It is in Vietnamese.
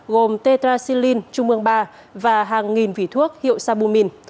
gồm tetraxilin trung mương ba và hàng nghìn vỉ thuốc hiệu sabumin